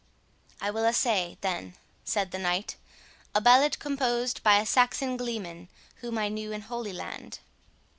"I will assay, then," said the knight, "a ballad composed by a Saxon glee man, whom I knew in Holy Land."